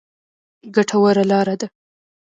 ګټوره لاره ده.